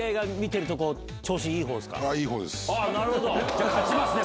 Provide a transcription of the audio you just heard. じゃあ勝ちますね